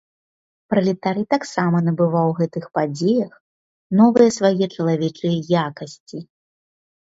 Пралетарый таксама набываў у гэтых падзеях новыя свае чалавечыя якасці.